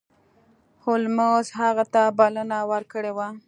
هولمز هغه ته بلنه ورکړې وه.